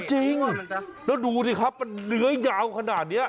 จริงแล้วดูสิครับมันเนื้อยาวขนาดนี้